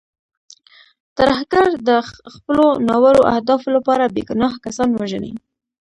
ترهګر د خپلو ناوړو اهدافو لپاره بې ګناه کسان وژني.